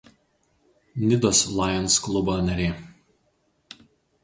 Nidos Lions klubo narė.